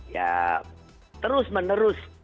ya terus menerus